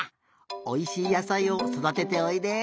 おいしい野さいをそだてておいで！